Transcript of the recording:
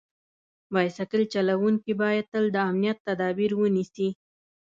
بایسکل چلونکي باید تل د امنیت تدابیر ونیسي.